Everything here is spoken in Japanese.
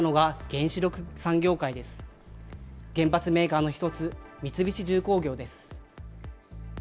原発メーカーの一つ、三菱重工業です。